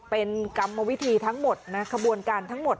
เป็นกรรมวิธีทั้งหมดนะขบวนการทั้งหมด